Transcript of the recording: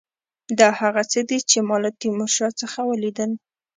دا هغه څه دي چې ما له تیمورشاه څخه ولیدل.